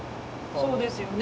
そうですよね。